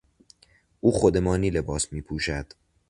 او خودمانی لباس میپوشد.